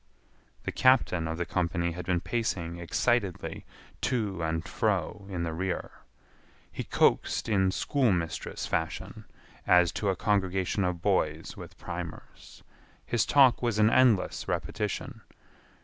The captain of the company had been pacing excitedly to and fro in the rear. He coaxed in schoolmistress fashion, as to a congregation of boys with primers. His talk was an endless repetition.